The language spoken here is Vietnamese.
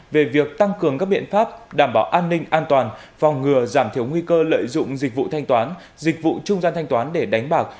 về việc tăng cường các biện pháp đảm bảo an ninh an toàn phòng ngừa giảm thiểu nguy cơ lợi dụng dịch vụ thanh toán dịch vụ trung gian thanh toán để đánh bạc